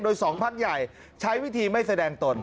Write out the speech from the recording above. โดยสองพักใหญ่ใช้วิธีไม่แสดงตน